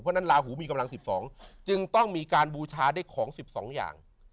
เพราะฉะนั้นลาหูมีกำลัง๑๒จึงต้องมีการบูชาได้ของ๑๒อย่าง